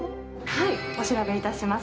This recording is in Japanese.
はい、お調べいたします。